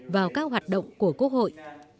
vào các hoạt động của quốc hội